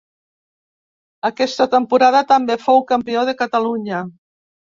Aquesta temporada també fou Campió de Catalunya.